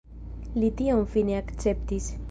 Li tion fine akceptis.